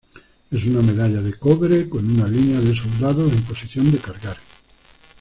Es una medalla de cobre con una línea de soldados en posición de cargar.